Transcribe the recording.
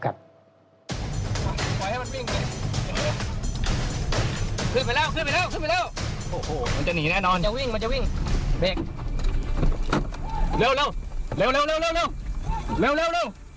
เร็วเร็ว